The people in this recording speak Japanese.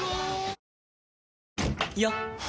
よっ！